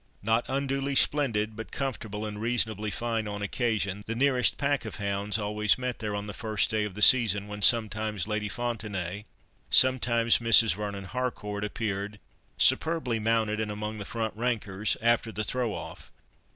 Not unduly splendid, but comfortably and reasonably fine, on occasion. The nearest pack of hounds always met there on the first day of the season, when sometimes Lady Fontenaye, sometimes Mrs. Vernon Harcourt, appeared, superbly mounted and among the front rankers, after the throw off.